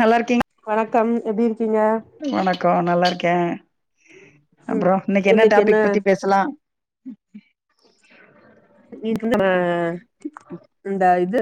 நல்லா இருக்கீங்க வணக்கம் எப்டி இருக்கீங்க வணக்கம் நல்லா இருக் க்கே ம் அப்பறம் இன்னைக்கி என்ன இன்னைக்கு டாபிக் பத்தி பேசலாம் இன்னக்கி நம்ம இந்த இது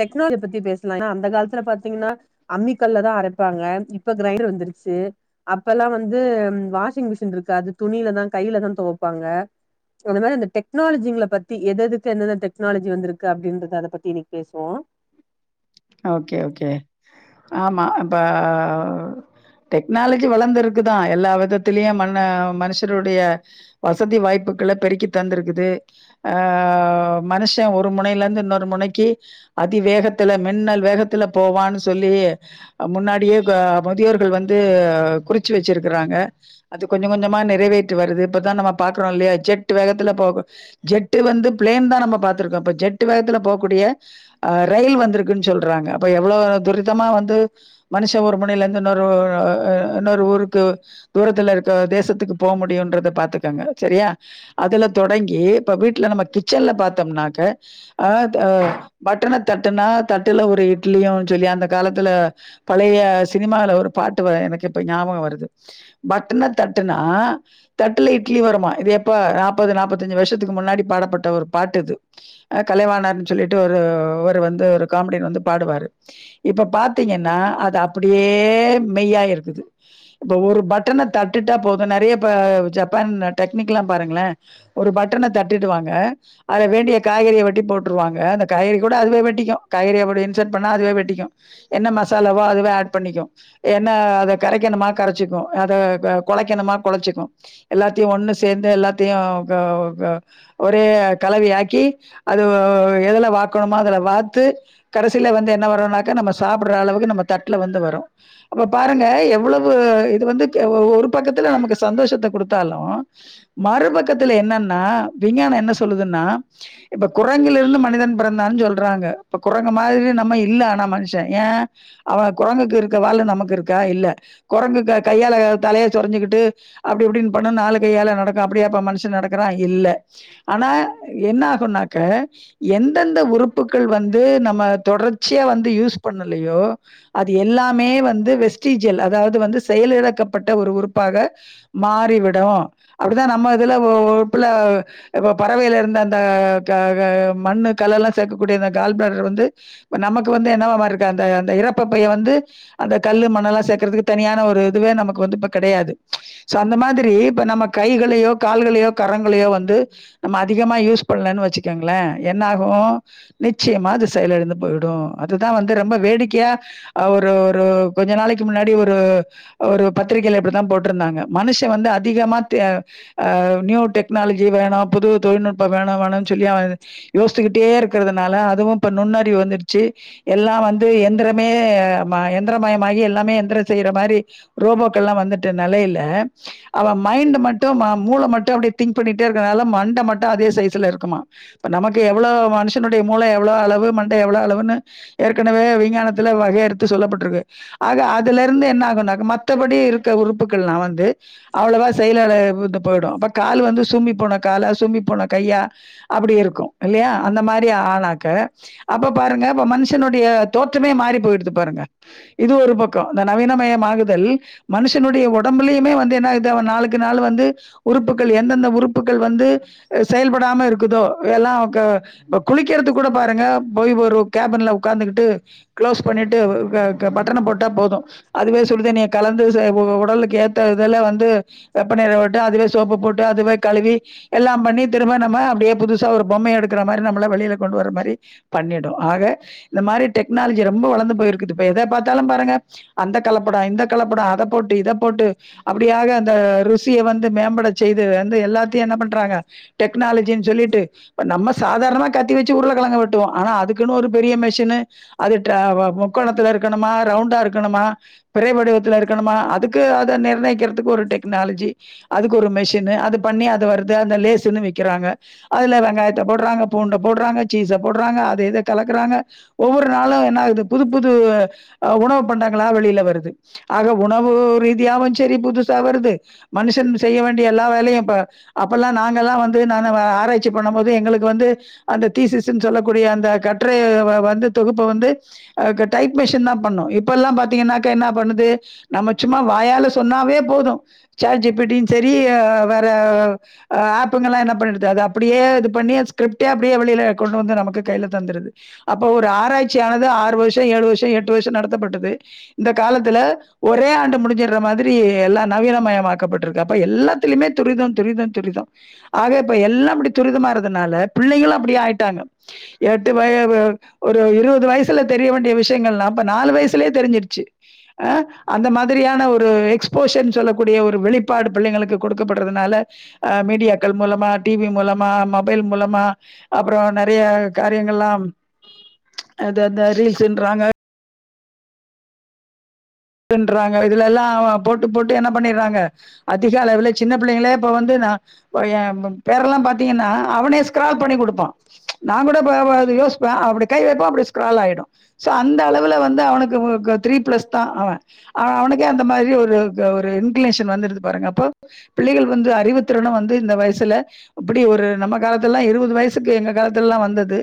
டெக்னாலஜி பத்தி பேச சல அந்த காலத்துல பாத்தீங்கன்னா அம்மி கல்லதா அரைப்பாங்க இப்ப கிரைண்டர் வந்துருச்சி அப்பல்லாம் வந்து வாஷிங் மிஷின் இருக்காது துணிலதா கையில தா துவப்பாங்க ஓருவேள இந்த டெக்னாலஜிங்கள பத் த்தி எது எதுக்கு எந்தெந்த டெக்னாலஜி வந்திருக்கு அப்டின்றத அத பத்தி இன்னைக்கி பேசுவோம் ஓகே ஓகே ஆமா அப்ப டெக்னாலஜி வளந்துருக்குதா எல்லா விதத்திலயும் ம மனுஷருடைய வசதி வாய்ப்புகளை பெருக்கி தந்திருக்குது ஆஹ் மனுஷன் ஒரு முனைையில இருந்து இன்னொரு முனைக்கு அதிவேகத்துல மின்னல் வேகத்தில போவான்னு சொல்லி முன்னாடியே க முதியோர்கள் வந்து குறிச்சி வச்சிருக்கிறாங்க அது கொஞ்சம் கொஞ்சமா நிறைவேறிட்டு வருது இப்பதா நம்ம பாக்கிறோம் இல்லையா ஜெட் வேகத்தில போக ஜெட் வந்து பிளைன் தா நம்ம பாத்ருக்கோம் ஜெட் வேகத்ல போகக்கூடிய ரயில் வந்து க்குனு சொல்றாங்க அப்ப எவ்ளோ துரிதமா வந்து மனுஷன் ஒரு முனைல இருந்து இன்னொரு இன்னொரு ஊருக்கு தூரத்து இருக்க தேசத்துக்கு போக முடியும்ன்றத பாத்துக்கங்க சரியா அதுல தொடங்கி இப்ப வீட்ல நம்ம கிச்சன்ல பாத்தோம்னாக்க ஆ த பட்டன தட்டுனா தட்டுல ஒரு இட்லியும்னு சொல்லி அந்த காலத்து பழைய சினிமால ஒரு பாட்டு வ எனக்கு இப்ப ஞாபகம் வருது பட்டன தட்டுனா தட்டுல இட்லி வருமா இது எப்போ நாற்பது நாற்பத்தஞ்சு வருஷத்துக்கு முன்னாடி பாடப்பட்ட ஒரு பாட்டு இது அ கலைவாணர்ன்னு சொல்லிட்டு ஒரு வந்து ஒரு காமெடியன் வந்து பாடுவாரு இப்ப பாத்தீங்கன்னா அது அப்டியே மெய்யாயிருக்குது இப்ப ஒரு பட்டன தட்டிடா போதும் நெறைய இப்ப ஜப்பான் டெக்னிக் லா பாருங்களே ஒரு பட்டனை தட்டிடுவாங்க அத வேண்டிய காய்கறியை வெட்டி போட்டுருவாங்க அந்த காய்கறி கூட அதுவே வெட்டிக்கும் காய்கறிய அப்டி இன்சர்ட் பண்ணா அதுவே வெட்டிக்கு என்ன மசாலாவோ அதுவே ஆட் பண்ணிக்கும் என்ன அத கரக்கணுமா கரச்சிக்கும் அதை கொழைக்கணுமா கொழச்சிக்கு எல்லாத்தையு ஒன்னு சேந்து எல்லாத்தையும் க க ஒரே கலவையாக்கி அது எதுல வாக்கணுமோ அதுல வாத்து கடைசில வந்து என்ன வரும்னாக்கா நம்ம சாப்புட்ற அளவுக்கு நம்ம தட்டுல வந்து வரும் அப்ப பாருங்க எவ்வளவு இது வந்து ஒரு பக்கத்துல நமக்கு சந்தோஷத்த குடுத்தாலு மறுபக்கத்துல என்னன்னா விஞ்ஞானம் என்ன சொல்லுதுன்னா இப்ப குரங்கிலிருந்து மனிதன் பிறந்தான்னு சொல்றாங்க இப்ப குரங்கு மாதிரி நம்ம இல்ல ஆனா மனுஷன் ஏ அவன் குரங்குக்கு இருக்க வாலு நமக்கு இருக்கா இல்ல குரங்குக்கு கையால தலைய சொறைஞ்சிக்கிட்டு அப்டி இப்டின்னு பண்ணு நாலு கையால நடக்கு அப்டியா இப்ப மனுஷன் நடக்குறா இல்ல ஆனா என்ன ஆகும்ன்னாக்க எந்தெந்த உறுப்புகள் வந்து து நம்ம தொடர்ச்சியா வந்து யூஸ் பண்ணலையோ அது எல்லாமே வந்து வெஸ்டீஜியல் அதாவது செயலிழக்கப்பட்ட ஒரு உறுப்பாக மாறிவிடும் அப்டிதா நம்ம இதுல ஒரு உறுப்புல இப்ப பறவைல இருந்த அந்த மண்ணு கல்ல சேக்கக்கூடிய டால்பெர் வந்து இப்ப நமக்கு வந்து என்னவா மாறிருக்கு அந்த அந்த இரப்ப பை வந்து அந்த கல்லு மண்ணல்லா சேக்றதுக்கு தனியான ஒரு இதுவே நமக்கு வந்து இப்ப கிடையாது சோ அந்த மாதிரி இப்ப நம்ம கைகளையோ கால்களையோ கரங்களையோ வந்து நம்ம அதிகமா யூஸ் பண்ணலனு வச்சுக்கோங்களே என்ன ஆகும் நிச்சயமா அது செயல் இழந்து போயிடும் அதுதா வந்து ரொம்ப வேடிக்கையா ஒரு ஒரு கொஞ்ச நாளைக்கு முன்னாடி ஒரு ஒரு பத்திரிகையில இப்டித்தா போட்டுருந்தாங்க மனுஷ வந்து அதிகமா து அ நியூ டெக்னாலஜி வேணும் புது தொழில்நுட்பம் வேணும் வேணும்னு சொல்லி அவ யோசித்துக்கிட்டே இருக்கறது னால அதுவு இப்ப நுண்ணறிவு வந்துட்ச்சி எல்லா வந்து எந்திரமே ஆ ம எந்திரமயமாயி எல்லாமே யந்த்ரொ செய்ற மாரி ரோபோக்கல்லா வந்துட்ட நெலையில அவ மைண்டு மட்டு ம மூல மட்டு அப்டே திங்க் பண்ணிட்டே இருக்கற்துனால மண்ட மட்டு அதே சைஸுல இருக்குமா இப்ப நமக்கு எவ்ளோ மனுஷ் மனிதனுடைய மூளை எவ்ளோ அளவு மண்ட எவ்ளோ அளவுன்னு ஏற்கனவே விஞ்ஞானத்துல வகை எடுத்து சொல்லப்பட்ருக்கு ஆக அதுலருந்து என்ன ஆகுணாக்க மத்தபடி இருக்கிற உறுப்புக்கள் எல்லாம் வந்து அவ்வளவா செயலெழுத்து போகும் கால் வந்து சூம்பி போன காலா சூம்பி போன கையா அப்டி இருக்கும் இல்லையா அந்த மாதிரி ஆனாக்க அப்ப பாருங்கப்ப மனுஷனுடைய தோற்றமே மாறி போயடு பாருங்க இது ஒரு பக்கம் இந்த நவீனமயமாகதல் மனுஷனுடைய உடம்புலுமே என் நாளுக்கு நாள் வந்து உறுப்புகள் எந்தெந்த உறுப்புகள் வந்து செயல்படாம இருக்குதோல்லாம் இப்ப குளிக்கறிறது கூட பாருங்க போய் ஒரு கேபின்ல உட்கார்ந்துகிட்டு க்ளோஸ் பண்ணிட்டு பட்டண போட்டா போதும் அதுவே சுடுதனிய கலந்து உடலுக்கு ஏற்ற இதல்ல வந்து வெப்பநிற விட்டு அதுவே சோப்பு போட்டு அதுவே கழுவி எல்லாம் பண்ணி திரும்ப நம்ம அப்படியே புதுசா ஒரு பொம்மைையை எடுக்கிற மாதிரி நம்மள வெளியில கொண்டு வர மாரி பண்ணிடும் ஆக இந்த மாதிரி டெக்னாலஜி ரொம்ப வளர்ந்து போய் இருக்கு இப்ப எத பார்த்தாலும் பாருங்க அந்த கலப்படம் இந்த கலப்படம் அத போட்டு இத போட்டு அப்டியாக அந்த ருசிய வந்து மேம்பட செய்து எல்லாத்தையும் என்ன பண்றாங்க டெக்னாலஜி னு சொல்லிட்டு இப்ப நம்ம சாதாரணமா கத்தி வச்சு உருளைக்கெழங்கு வெட்டுவோம் ஆனா அதுக்குன்னு ஒரு பெரிய மெஷின்னு அது முக்கோணத்துல இருக்கணுமா ரவுண்டா இருக்கணுமா பிறை வடிவத்துல இருக்கணுமா அதுக்கு அதை நிர்ணயிக்கிறதுக்கு ஒரு டெக்னாலஜி அதுக்கு ஒரு மெஷின்னு அது பண்ணி அத வருது அந்த லேஸ்ன்னு விறக்கிறாங்க அதுல வெங்காய போடுறாங்க பூண்ட போடுறாங்க சீச போடுறாங்க அத இத கலக்குறாங்க ஒவ்வொரு நாளும் என்னாகுது புது புது உணவு பண்டங்களா வெளியில வருது ஆக உணவு ரீதியாவும் சரி புதுசா வருது மனுஷன் செய்ய வேண்டிய எல்லா வேலையும் ப அப்பல்லாம் நாங்கலாம் வந்து நானு ஆராய்ச்சி பண்ண போது எங்களுக்கு வந்து அந்த டிசிஎஸ்னு சொல்லக்கூடிய அந்த கட்டுரைய வந்து தொகுப்ப வந்து ஆஹ் டைப் மிஷின் தான் பண்ணும் இப்பல்லாம் வந்து பாத்தீங்கன்னா என்ன பண்ணுது நம்ம சும்மா வாயால சொன்னாவே போதும், சாட் ஜி பி டியும் சரி வேற ஆப்புங்கெல்லாம் என்ன பண்ணிடுது அத அப்படியே து பண்ணி ஸ்கிரிப்டடே அப்டியே வெளியில கொண்டு வந்து நமக்கு கைல தந்துருது அப்போ ஒரு ஆராய்ச்சியானது ஆறு வருஷம் ஏழு வருஷம் எட்டு வருஷம் நடத்தப்பட்டது இந்த காலத்துல ஒரே ஆண்டு முடிச்சிர மாதிரி எல்ல நவீனமாக பட்டுயிருக்கு அப்ப எல்லாதுளமே துரிதம் துரிதம் ஆகா இப்ப எல்லாம் இப்படி துரிதம்ம தனால பிள்ளைகளு அப்டியே ஆயிட்டாங்க எட்டு வயவு ஒரு இருவது வயசுல தெரிய வேண்டிய விஷயங்கள்லா இப்ப நாலு வயசுலே தெரிஞ்சிடுச்சி அ அந்த மாதிரியான ஒரு எக்ஸ்போஸன் சொல்லக்கூடிய ஒரு வெளிப்பாடு பிள்ளைங்களுக்கு குடுக்கப்படுறதுனால அ மீடியாக்கள் மூலமா டீ வி மூலமா ம மொபைல் மூலமா அப்றோ நெறைய காரியங்கள்லாம் அது அந்த ரீல்ஸ்ன்றாங்க துன்றாங்க இதுல எல்லா போட்டு போட்டு என்ன பண்ணிறாங்க அதிக அளவுல சின்ன பிள்ளைங்களே இப்ப வந்து ந இப்ப ய ம பேரல்லா பாத்தீங்கன்னா அவனே ஸ்கரால் பண்ணி குடுப்பா நா கூட ப ப அது யோசிப்பே அப்டி கை வெப்பா அப்டி ஸ்க்ரால் ஆயிடு சோ அந்த அளவுல வந்து அவனுக்கு வ க த்ரீ ப்ளஸ் தா அவ அ அவனுக்கே அந்த மாதிரி ஒரு க ஒரு இன்க்ளேஷன் வந்துருது பாருங்க அப்போ பிள்ளைகள் வந்து அறிவுத்திறன வந்து இந்த வயசுல இப்புடி ஒரு நம்ம காலத்துல்லா இருவது வயசுக்கு எங்க காலத்துல்லா வந்தது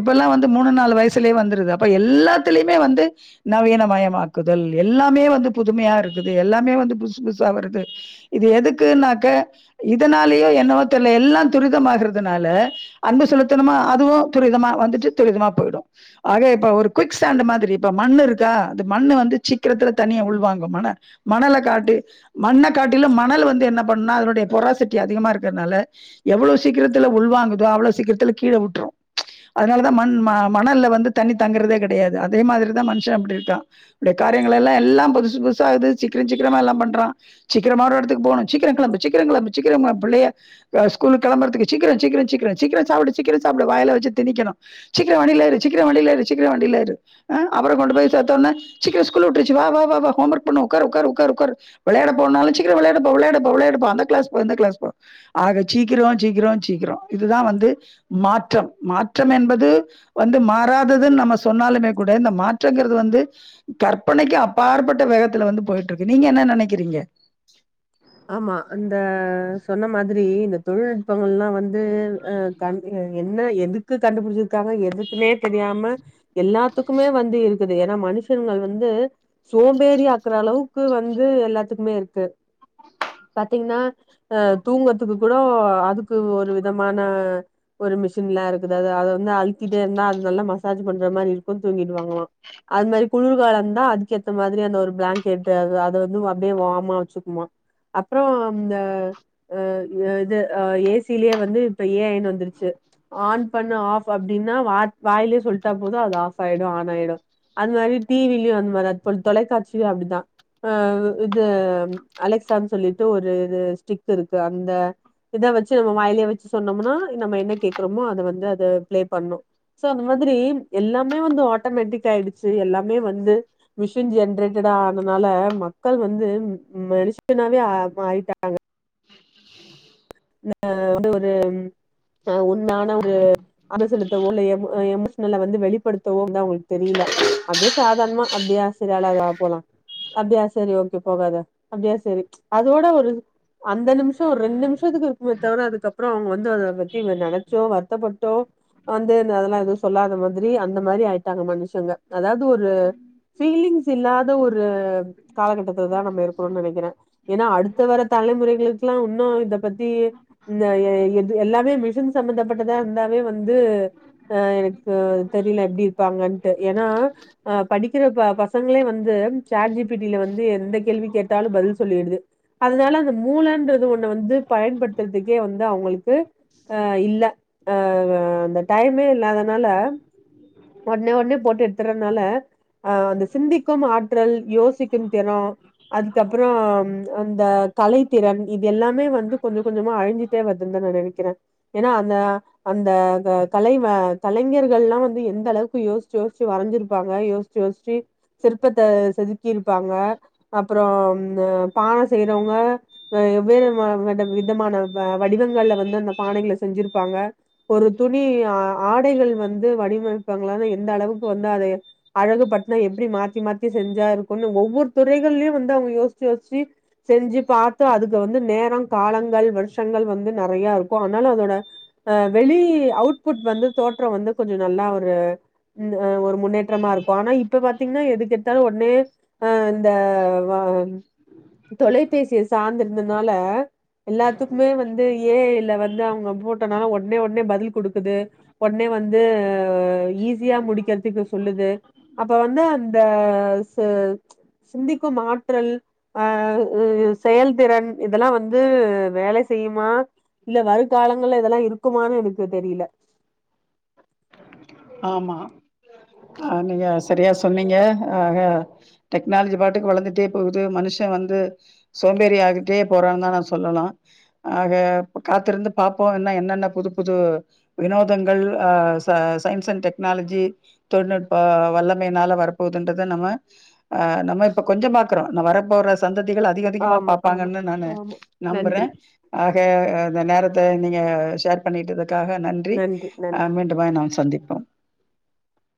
இப்பெல்லா வந்து மூணு நாலு வயசுல்லே வந்துருது அப்ப எல்லாத்துல்யுமே வந்து நவீனமயமாக்குதல் எல்லாமே வந்து புதுமையா இருக்குது எல்லாமே வந்து புதுசு புதுசா வருது இது எதுக்குனாக்க இதனாலியு என்னவோ தெர்ல எல்லா துரிதமாகுறதுனால அன்பு செலுத்தனுமா அதுவு துரிதமா வந்துட்டு துரிதமா போய்டு ஆக இப்ப ஒரு குயிக் சேன்டு மாதிரி இப்ப மண்ணு இருக்கா இது மண்ணு வந்து சீக்கிரத்துல தண்ணிய உள்வாங்கு மண மணல காட்டி மண்ண காட்டில மணலு வந்து என்ன பண்னா அதனுடைய பொராசிட்டி அதிகமா இருக்கறத்னால எவ்வளோ சீக்கிரத்துல உள்வாங்குதோ அவ்ளோ சீக்கிரத்துல கீழே விட்ரு அதனாலதா மண் ம மணல்ல வந்து தண்ணி தங்குறதே கெடையாது அதே மாதிரிதா மன்ஷ அப்டி இருக்கா ன்ட காரியங்கள் எல்லா எல்லா புதுசு புதுசா இது சீக்கிரு சீக்ரமா எல்லா பண்றோ சிக்கரமா ஒரு எடத்துக்கு போனு சீக்கர கெளம்பு சிக்கர கெளம்பு சீக்கிரமா பிள்ளைய அ ஸ்கூலுக் கெளம்பறதுக்கு சீக்ர சீக்ர சீக்ர சீக்ர சாப்டு சீக்ர சாப்டு வாயில வெச்சு திணிக்கணு சீக்கிர வண்டில ஏறு சீக்ர வண்டில ஏறு சிக்ர வண்டில ஏறு அ அப்பறோ கொண்டு போய் சோத்தோனே சீக்கிர ஸ்கூல் வுட்ருச்சு வா வா வா வா ஹோமொர்க் பண்ணு உக்காரு உக்காரு உக்காரு உக்காரு வெளயாட போனாலு சீக்கர வெளையாடப்பா வெளையாடப்பா விளையாடப்பா அந்த க்ளாஸ் போ இந்த க்ளாஸ் போ ஆக சீக்கிரோ சீக்கிரோ சீக்கிரோ இதுதா வந்து மாற்றம் மாற்றம் என்பது வந்து மாறாததுன் நம்ம சொன்னாலுமே கூட இந்த மாற்றங்கறது வந்து கற்பனைக்கு அப்பாற்பட்ட வேகத்துல வந்து போயிட்ருக்கு நீங்க என்ன நெனைக்கிறீங்க ஆமா இந்த சொன்ன மாதிரி இந்த தொழில்நுட்பங்களல்லா வந்து அ கன் என்ன எதுக்கு கண்டுபிடிச்ச க்காங்க எதுக்குனே தெரியாம எல்லாத்துக்குமே வந்து இருக்குது ஏனா மனுஷன்கள் வந்து சோம்பேறி ஆக்குற அளவுக்கு வந்து எல்லாத்துக்குமே இருக்கு பாத்தீங்ன்னா அ தூங்கத்துக்கு கூடோ அதுக்கு ஒரு விதமான ஒரு மிஷின்லா இருக்குது அது அத வந்து அழுத்திட்டே இருந்தா அது நல்லா மசாஜி பண்ற மாரி இருக்கு தூங்கி வாங்களா அத் மாரி குளிர்காலந்தா அதுக்கேத்த மாதிரி அந்த ஒரு ப்ளாங்கெட்டு அது அது வந்து அப்டியே வாமா வச்சுக்குமா அப்றோ அந்த அ இது அ ஏசிலேயே வந்து இப்ப ஏ ஐன் வந்துருச்சு ஆன் பண்ணு ஆப் அ ப்டினா வா வாயிலே சொல்ட்டா போது அது ஆஃப் ஆயிடு ஆன் ஆயிடு அது மாரி டிவில்யு வந்து அந் மார்தா தொல் தொலைக்காட்சி அப்டி தா அ இது ம் அலெக்ஸ் ஸான் சொல்லிட்டு ஒரு இது ஸ்டிக் இருக்கு அந்த இத வச்சி நம்ம வாயிலே வச்சி சொன்னம்னா நம்ம என்ன கேக்குறோமோ அத வந்து அத ப்ளே பண்ணு சோ அந்த மாதிரி எல்லாமே வந்து ஆட்டோமேட்டிக் ஆயிடுச்சி எல்லாமே வந்து மிஷின் ஜென்ரேட்டடா ஆனனால மக்கள் வந்து இந்த லிஸ் ப்பனாவே ஆ ஆயிட்டாங்க ன வந்து ஒரு ம் இப்போ உண்மையான ஒரு அனு செலுத்தவோ இல்ல எமோ அ எமோஷ்னலா வந்து வெளிப்படுத்தவோ வந்து அவுங்களுக் தெரியில அப்டியே சாதாரணமா அப்டியா செரி அழாத வா போலா அப்டியா செரி ஓகே போகாத அப்டியா செரி ப்ச் அதோட ஒரு அந்த நிம்ஷோ ஒரு ரெண்டு மிஷ் ஷ்டத்துக்கு இருக்குமே தவர அதுக்கப்றோ அவுங்க வந்து அத பத்தின நெனச்சோ வருத்தப்பட்டோ வந்துனு அதெல்லா எதுவு சொல்லாத மாதிரி அந்த மாரி ஆயிட்டாங்க மனுஷங்க அதாவ்து ஒரு ஃபீலிங்ஸ் இல்லாத ஒரு காலகட்டத்துல தா நம்ம இருக்கிறோ நெனைக்கிறே ஏனா அடுத்து வர தலைமுறைகளுக்லா உன்னு இத பத்தி இந்த ம் இது எல்லாமே மிஷின் சம்பந்தப்பட்டதா இருந்தாவே வந்து அ எனக்கு அ அது தெரில எப்டி இருப்பாங்கன்ட்டு ஏன்னா அ படிக்கிற ப பசங்களே வந்து சாட் ஜி பிட்டில வந்து எந்த கேள்வி கேட்டாலு பதில் சொல்லிடுது அதனால அந்த மூலன்றது ஒண்ணு வந்து பயன்படுத்துறதுக்கே வந்து அவுங்களுக்கு அ இல்ல அ வ அந்த டைமே இல்லாதனால ஒட்னே ஒட்னே போட்டு எட்த்துறனால அ அந்த சிந்திக்கும் ஆற்றல் யோசிக்கும் திறோ அதுக்கப்றோ ம் அந்த கலை திறன் இது எல்லாமே வந்து கொஞ்ச கொஞ்சமா அழிஞ்சிட்டே வருதுன் தா நா நெனைக்கிறே ஏனா அந்த அந்த க கலைவ கலைஞர்கள்லா வந்து எந்த அளவுக்கு யோச் யோச் வரஞ்சிருப்பாங்க யோச்சி யோச்சி சிற்பத்த செதுக்கிருப்பாங்க அப்றோ நோ பான செய்றவங்க வ வெவ்வேறு வ வித விதமான வ வடிவங்கள்ல வந்து அந்த பானைகள செஞ்சிருப்பாங்க ஒரு துணி அ ஆடைகள் வந்து வடிவமைப்பங்களானு எந்த அளவுக்கு வந்து அதய அழகுபட்த்னா எப்டி மாத்தி மாத்தி செஞ்சா இருக்குனு ஒவ்வொரு துறைகள்லியு வந்து அவுங்க யோசிச்சு யோசிச்சு செஞ்சு பாத்து அதுக்கு வந்து நேரோ காலங்கள் வருஷங்கள் வந்து நெறைய இருக்கு ஆனாலு அதோட அ வெளி அவுட்புட் வந்து தோற்றோ வந்து கொஞ்சோ நல்லா ஒரு ம் அ ஒரு முன்னேற்றமா இருக்கூ ஆனா இப்ப பாத்தீங்கன்னா எதுக் ருந்த்தாலு ஒட்னே அ இந்த வ தொலைபேசிய சார்ந்தது. இதுனால எல்லாத்துக்குமே வந்து ஏ ஐல்ல வந்து அவுங்க போட்டனால ஓட ஒடனே ஒடனே பதில் குடுக்குது ஒடனே வந்து அ ஈஸியா முடிக்கிறதுக்கு சொல்லுது அப்ப வந்து அந்த ச சிந்திக்கும் ஆற்றல் அ செயல்திறன் இதெல்லா வந்து வந்து வேலை செய்யுமா இல்ல வரு காலங்கள்ல இதெல்லா இருக்குமானு எனக்கு தெரியல ஆமா ஆ நீங்க சரியா சொன்னீங்க ஆக டெக்னாலஜி பாட்டுக்கு வளர்ந்துட்டே போகுது மனுஷ வந்து சோம்பேறி ஆகிட்டே போறா தா நா சொல்லலா ஆக காத்திருந்து பாப்போ இன்னு என்னென்ன புது புது வினோதங்கள் ஆ ச சயின்ஸ் அண்ட் டெக்னாலஜி தொழில்நுட்ப வல்லமையினால வரப்போதுன்றத நம்ம அ நம்ம இப்ப கொஞ்ச பாக்கறோ இன்னு வரப்போற சந்த திகள் அதிக அதிகமா ஆமா ஆமா பாப்பாங்கன்னு தா நானு ஆமா நம்புறே நன்றி ஆ ஆ அந்த நேரத்த நீங்க ஷேர் பண்ணிட்டுது க்காக நன்றி அ மீண்டுமே நாம் சந்திப்